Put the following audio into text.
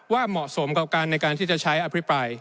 เหมาะสมกับการในการที่จะใช้อภิปราย